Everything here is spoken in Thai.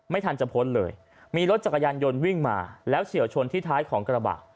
ไม่ทันจะพ้นเลยมีรถจักรยานยนต์วิ่งมาแล้วเฉียวชนที่ท้ายของกระบะ